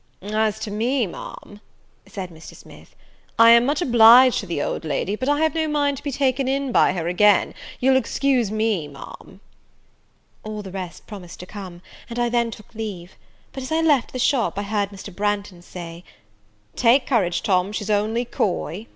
"As to me, Ma'am," said Mr. Smith, "I am much obliged to the old lady, but I have no mind to be taken in by her again; you'll excuse me, Ma'am." All the rest promised to come, and I then took leave; but, as I left the shop, I heard Mr. Branghton say, "Take courage, Tom, she's only coy."